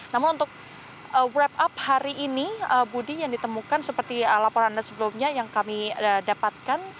namun untuk wrap up hari ini budi yang ditemukan seperti laporan anda sebelumnya yang kami dapatkan